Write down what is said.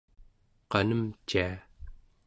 qanemcia